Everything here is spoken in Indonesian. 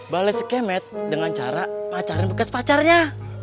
balet skemet dengan cara macarin bekas pacarnya